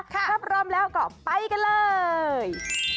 ถ้าพร้อมแล้วก็ไปกันเลย